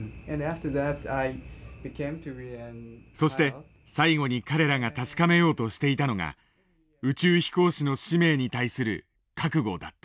そして最後に彼らが確かめようとしていたのが宇宙飛行士の使命に対する覚悟だった。